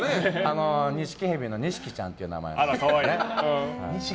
ニシキヘビのニシキちゃんっていう名前でね。